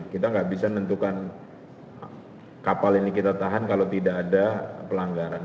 kita nggak bisa menentukan kapal ini kita tahan kalau tidak ada pelanggaran